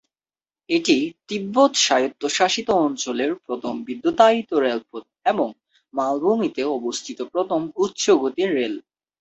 এটি তিব্বত স্বায়ত্তশাসিত অঞ্চলের প্রথম বিদ্যুতায়িত রেলপথ এবং মালভূমিতে অবস্থিত প্রথম উচ্চ-গতির রেল।